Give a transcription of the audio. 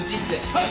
はい。